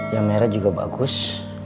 yang merah juga bagus